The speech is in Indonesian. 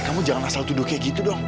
kamu jangan asal tuduh kayak gitu dong